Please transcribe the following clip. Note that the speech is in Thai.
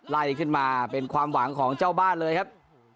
ไล่ขึ้นมาเป็นความหวังของเจ้าบ้านเลยครับ